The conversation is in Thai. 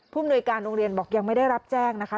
มนุยการโรงเรียนบอกยังไม่ได้รับแจ้งนะคะ